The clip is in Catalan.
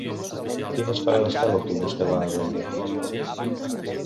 Quines parades fa l'autobús que va a Deià?